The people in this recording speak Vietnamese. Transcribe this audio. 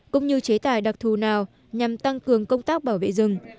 cũng như chế tài đặc thù nào nhằm tăng cường công tác bảo vệ rừng